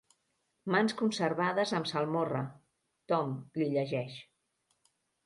Mans conservades amb salmorra, Tom —li llegeix—.